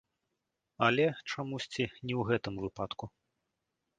Але, чамусьці, не ў гэтым выпадку.